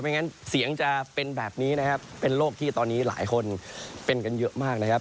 งั้นเสียงจะเป็นแบบนี้นะครับเป็นโลกที่ตอนนี้หลายคนเป็นกันเยอะมากนะครับ